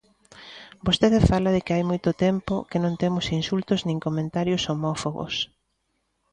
Vostede fala de que hai moito tempo que non temos insultos nin comentarios homófobos.